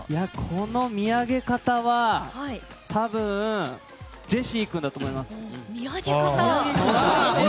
この見上げ方は多分、ジェシー君だと思います。